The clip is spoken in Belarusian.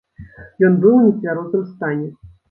Ён быў у нецвярозым стане.